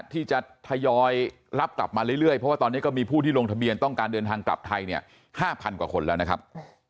ที่จะทยอยรับกลับมาเรื่อยเพราะว่าตอนนี้ก็มีผู้ที่ลงทะเบียนต้องการเดินทางกลับไทยเนี่ย๕๐๐กว่าคนแล้วนะครับ